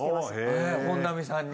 えっ本並さんに。